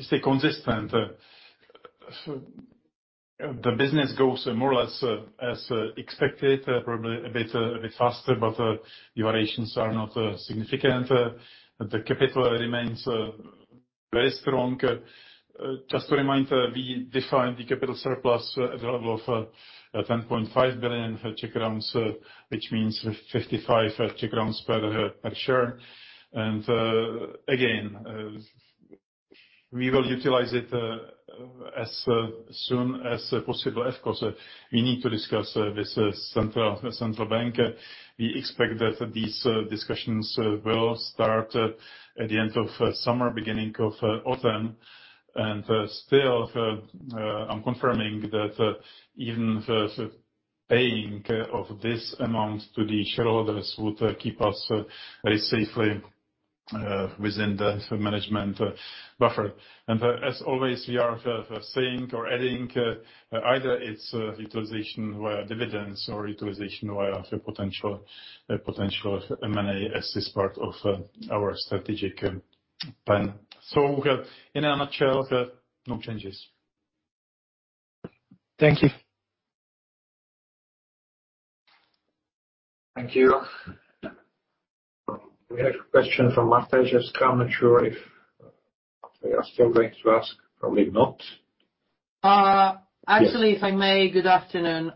stay consistent. The business goes more or less as expected, probably a bit faster, but the variations are not significant. The capital remains very strong. Just to remind, we defined the capital surplus at a level of 10.5 billion, which means 55 per share. We will utilize it as soon as possible. Of course, we need to discuss with central bank. We expect that these discussions will start at the end of summer, beginning of autumn. Still, I'm confirming that even the paying of this amount to the shareholders would keep us very safely within the management buffer. As always, we are saying or adding either it's utilization via dividends or utilization via potential M&A as this part of our strategic plan. In a nutshell, no changes. Thank you. Thank you. We have a question from Marta. Just come. Not sure if they are still going to ask. Probably not. Actually, if I may. Good afternoon.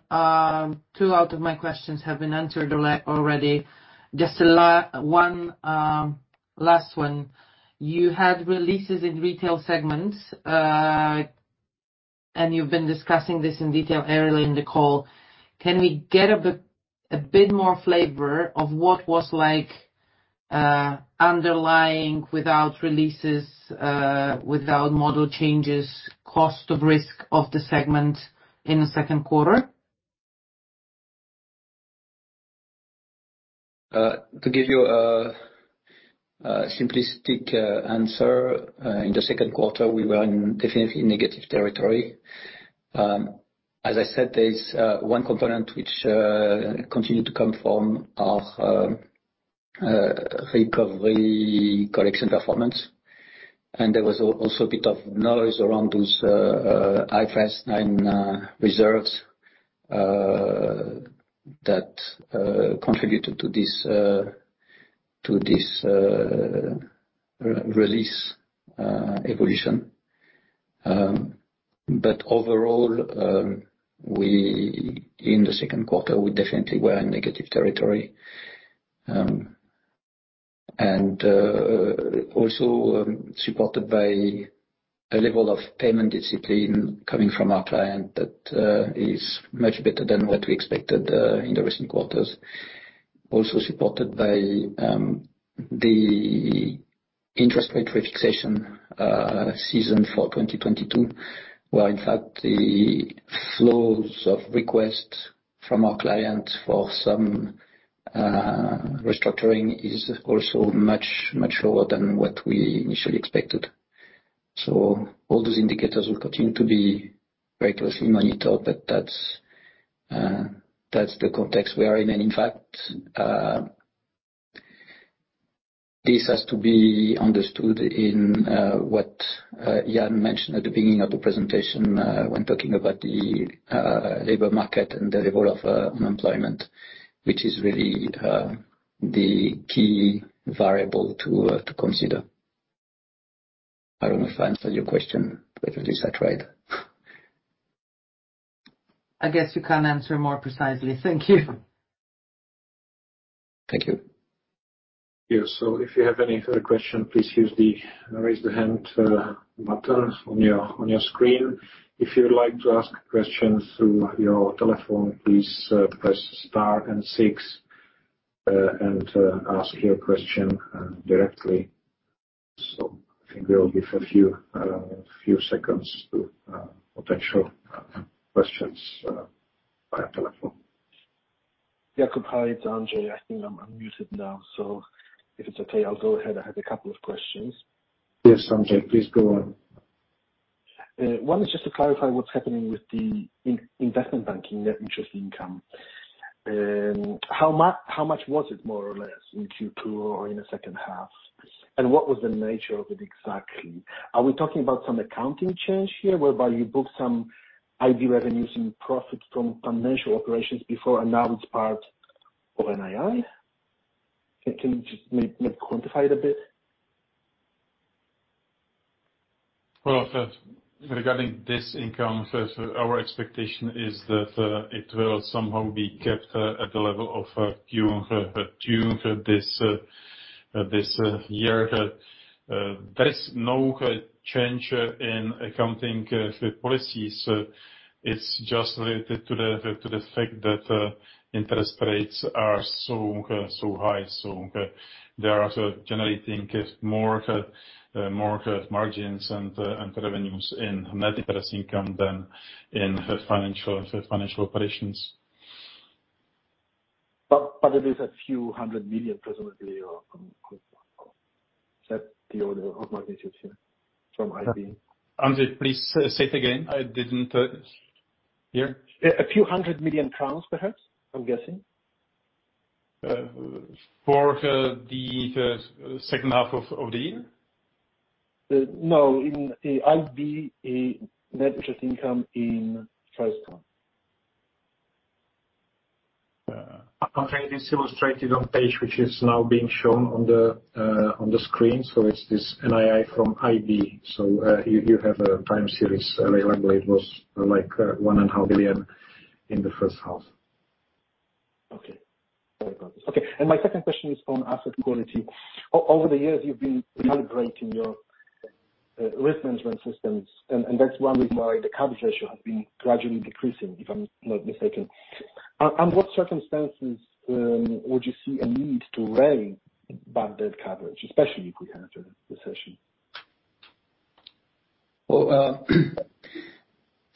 Two out of my questions have been answered already. Just one last one. You had releases in retail segments, and you've been discussing this in detail earlier in the call. Can we get a bit more flavor of what was underlying without releases, without model changes, cost of risk of the segment in the second quarter? To give you a simplistic answer, in the second quarter, we were in definitely negative territory. As I said, there is one component which continued to come from our recovery collection performance. There was also a bit of noise around those IFRS 9 reserves that contributed to this release evolution. Overall, in the second quarter, we definitely were in negative territory. Also supported by a level of payment discipline coming from our client that is much better than what we expected in the recent quarters. Also supported by the interest rate fixation season for 2022, where in fact the flows of requests from our clients for some restructuring is also much lower than what we initially expected. All those indicators will continue to be very closely monitored, but that's the context we are in. In fact, this has to be understood in what Jan mentioned at the beginning of the presentation when talking about the labor market and the level of unemployment, which is really the key variable to consider. I don't know if I answered your question, but at least I tried. I guess you can't answer more precisely. Thank you. Thank you. Yeah. If you have any further question, please use the Raise the Hand button on your screen. If you would like to ask questions through your telephone, please press Star and six, and ask your question directly. I think we will give a few seconds to potential questions via telephone. Jakub, hi, it's Andrzej. I think I'm unmuted now, so if it's okay, I'll go ahead. I have a couple of questions. Yes, Andrzej, please go on. One is just to clarify what's happening with the investment banking net interest income. How much was it, more or less, in Q2 or in the second half? And what was the nature of it exactly? Are we talking about some accounting change here, whereby you book some IB revenues and profits from financial operations before, and now it's part of NII? Can you just maybe quantify it a bit? Well, regarding this income, our expectation is that it will somehow be kept at the level of June this year. There is no change in accounting policies. It's just related to the fact that interest rates are so high. They are generating more margins and revenues in net interest income than in financial operations. It is CZK a few hundred million, presumably. Set the order of magnitudes here from IB. Andrzej, please say it again. I didn't hear. A few hundred million CZK, perhaps. I'm guessing. For the second half of the year? No, in the IB net interest income in five years. Andrzej, it's illustrated on page which is now being shown on the screen. It's this NII from IB. You have a time series available. It was like 1.5 billion in the first half. Okay. Very good. Okay, my second question is on asset quality. Over the years, you've been calibrating your risk management systems, and that's one reason why the coverage ratio has been gradually decreasing, if I'm not mistaken. What circumstances would you see a need to raise bad debt coverage, especially if we enter a recession?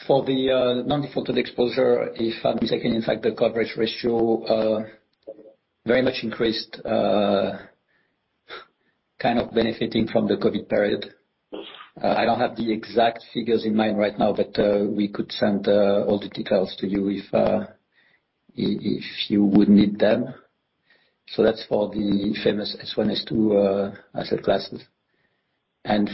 For the non-defaulted exposure, if I'm taking, in fact, the coverage ratio, very much increased, kind of benefiting from the COVID period. I don't have the exact figures in mind right now, but we could send all the details to you if you would need them. That's for the famous S1, S2 asset classes.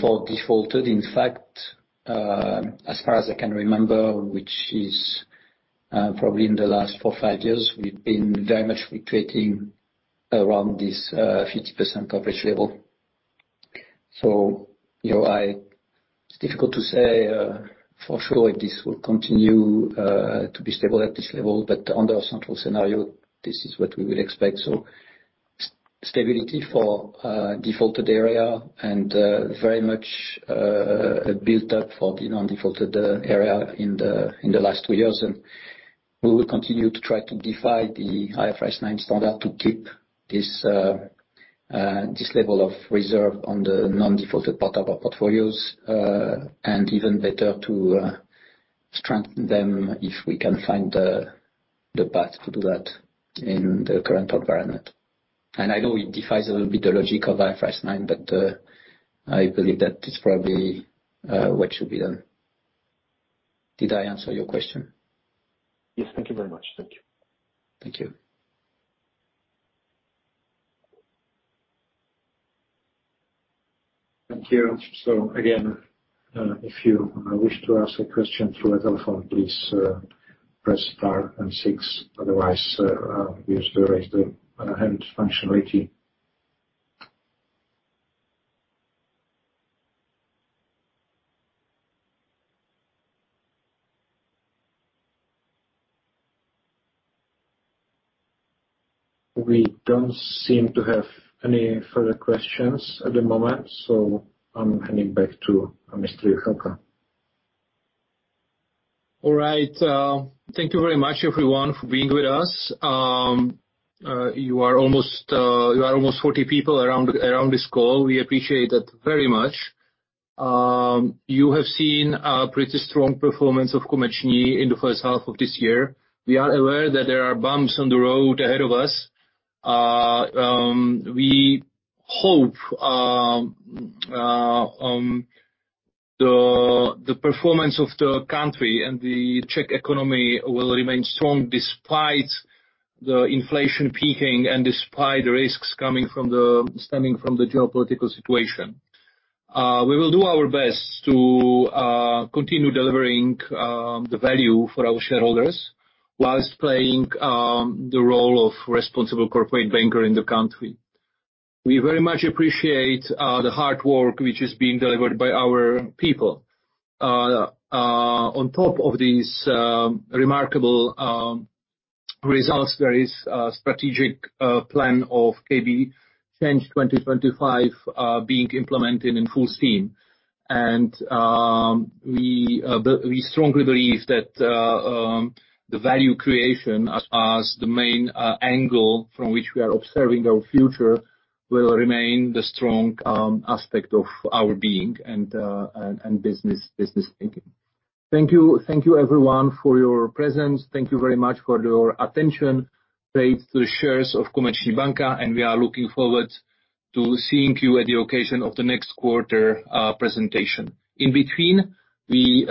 For defaulted, in fact, as far as I can remember, which is probably in the last four or five years, we've been very much fluctuating around this 50% coverage level. It's difficult to say for sure if this will continue to be stable at this level, but under our central scenario, this is what we will expect. Stability for defaulted area and very much a build-up for the non-defaulted area in the last two years. We will continue to try to defy the IFRS 9 standard to keep this level of reserve on the non-defaulted part of our portfolios and even better to strengthen them if we can find the path to do that in the current environment. I know it defies a little bit the logic of IFRS 9, but I believe that it's probably what should be done. Did I answer your question? Yes. Thank you very much. Thank you. Thank you. Thank you. Again, if you wish to ask a question through a telephone, please, press star and six, otherwise, use the raise hand functionality. We don't seem to have any further questions at the moment, so I'm handing back to Mr. Juchelka. All right. Thank you very much everyone for being with us. You are almost 40 people around this call. We appreciate that very much. You have seen a pretty strong performance of Komerční banka in the first half of this year. We are aware that there are bumps on the road ahead of us. We hope the performance of the country and the Czech economy will remain strong despite the inflation peaking and despite the risks stemming from the geopolitical situation. We will do our best to continue delivering the value for our shareholders while playing the role of responsible corporate banker in the country. We very much appreciate the hard work which is being delivered by our people. On top of these remarkable results, there is a strategic plan of KB Change 2025 being implemented in full steam. We strongly believe that the value creation as the main angle from which we are observing our future will remain the strong aspect of our being and business thinking. Thank you. Thank you everyone for your presence. Thank you very much for your attention paid to the shares of Komerční banka, and we are looking forward to seeing you at the occasion of the next quarter presentation. In between, we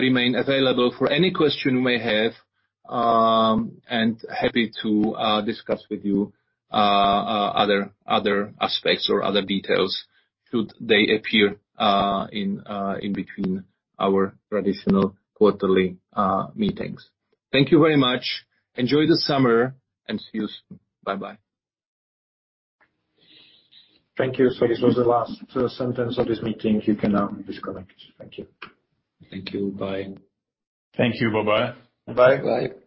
remain available for any question you may have, and happy to discuss with you other aspects or other details should they appear in between our traditional quarterly meetings. Thank you very much. Enjoy the summer and see you soon. Bye-bye. Thank you. This was the last sentence of this meeting. You can now disconnect. Thank you. Thank you. Bye. Thank you. Bye-bye. Bye. Bye.